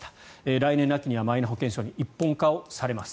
来年の秋にはマイナ保険証に一本化されます。